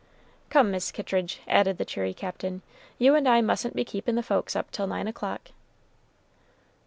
"Come, Mis' Kittridge," added the cheery Captain; "you and I mustn't be keepin' the folks up till nine o'clock."